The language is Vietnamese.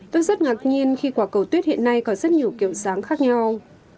tôi rất ngạc nhiên khi quả cầu tuyết hiện nay có rất nhiều kiểu dáng khác nhau